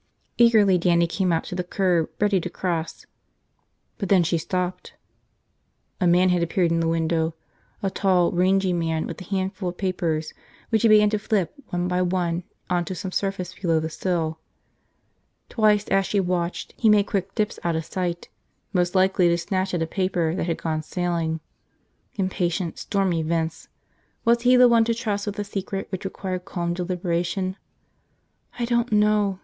Eagerly Dannie came out to the curb, ready to cross. But then she stopped. A man had appeared in the window, a tall rangy man with a handful of papers which he began to flip one by one onto some surface below the sill. Twice as she watched he made quick dips out of sight, most likely to snatch at a paper that had gone sailing. Impatient, stormy Vince. Was he the one to trust with a secret which required calm deliberation? "I don't know!"